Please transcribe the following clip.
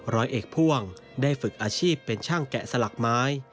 ร้อยเอกพ่วงได้ฝึกอาชีพเป็นช่างแกะสลักไม้